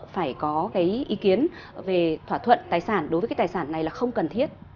phải có cái ý kiến về thỏa thuận tài sản đối với cái tài sản này là không cần thiết